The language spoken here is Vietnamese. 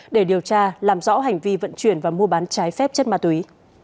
để điều tra làm rõ hành vi vận chuyển và mua bán trái phép chất ma túy